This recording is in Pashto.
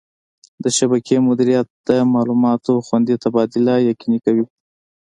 د شبکې مدیریت د معلوماتو خوندي تبادله یقیني کوي.